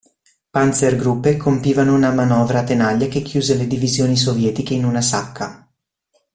Panzergruppe compivano una manovra a tenaglia che chiuse le divisioni sovietiche in una sacca.